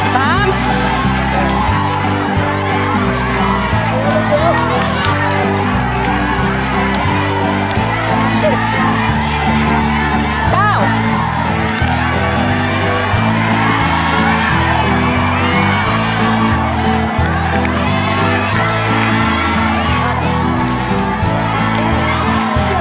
ไปสิบค่อยค่อยถือลูก